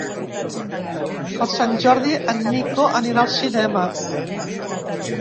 Per Sant Jordi en Nico anirà al cinema.